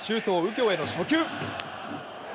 京への初球。